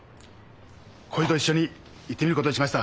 これと一緒に行ってみることにしました。